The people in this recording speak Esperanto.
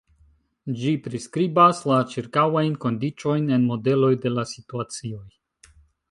Ĝi priskribas la ĉirkaŭajn kondiĉojn en modeloj de la situacioj.